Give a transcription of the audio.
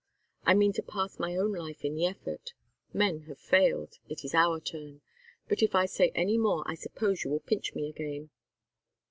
"I mean to pass my own life in the effort. Men have failed. It is our turn. But if I say any more I suppose you will pinch me again."